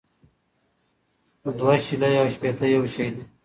دوه شلې او ښپيته يو شٸ دى